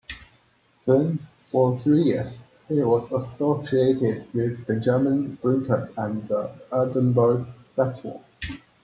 Then, for three years, he was associated with Benjamin Britten and the Aldeburgh Festival.